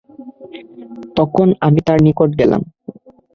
তখন আমি তার নিকট গেলাম।